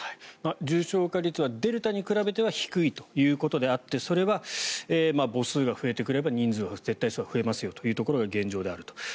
重症化率はデルタに比べては低いということであってそれは母数が増えてくれば人数は絶対に増えますよというのが現状であると。